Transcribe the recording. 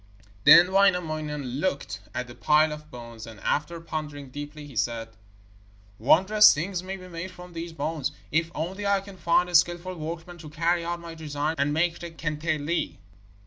Then Wainamoinen looked at the pile of bones, and after pondering deeply he said: 'Wondrous things may be made from these bones, if only I can find a skilful workman to carry out my designs and make the kantele.'